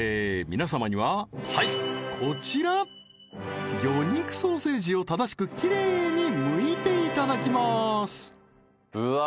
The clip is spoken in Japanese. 皆様にははいこちら魚肉ソーセージを正しくきれいにむいていただきますうわ